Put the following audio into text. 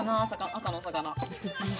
赤のお魚。